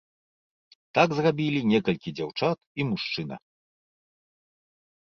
Так зрабілі некалькі дзяўчат і мужчына.